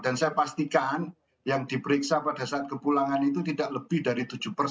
dan saya pastikan yang diperiksa pada saat kepulangan itu tidak lebih dari tujuh